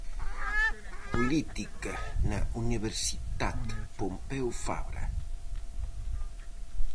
Política na Universitat Pompeu Fabra.